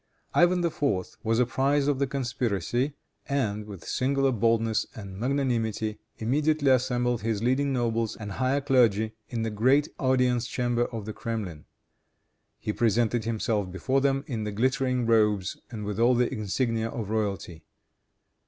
Ivan IV. was apprised of the conspiracy, and, with singular boldness and magnanimity, immediately assembled his leading nobles and higher clergy in the great audience chamber of the Kremlin. He presented himself before them in the glittering robes and with all the insignia of royalty.